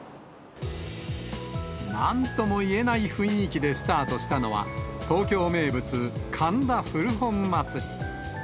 なんともいえない雰囲気でスタートしたのは、東京名物、神田古本まつり。